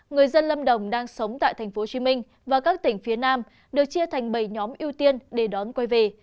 người dân lâm đồng đang sống tại tp hcm và các tỉnh phía nam được chia thành bảy nhóm ưu tiên để đón quay về